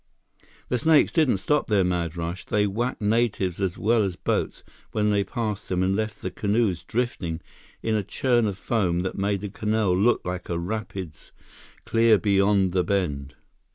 The snakes didn't stop their mad rush. They whacked natives as well as boats when they passed them and left the canoes drifting in a churn of foam that made the canal look like a rapids clear beyond the bend.